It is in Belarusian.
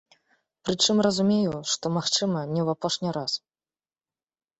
Прычым разумеюць, што, магчыма, не ў апошні раз.